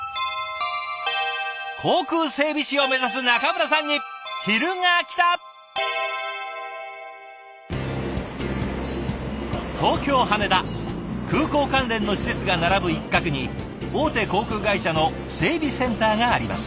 航空整備士を目指す空港関連の施設が並ぶ一角に大手航空会社の整備センターがあります。